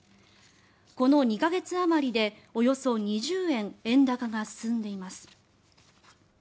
この２か月あまりでおよそ２０円円高が進んでいます。